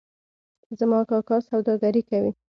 زما کاکا سوداګري کوي